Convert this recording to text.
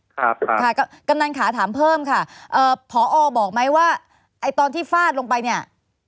ครับค่ะกำนันขาถามเพิ่มค่ะเอ่อพอบอกไหมว่าไอ้ตอนที่ฟาดลงไปเนี่ย